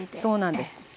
そうなんです。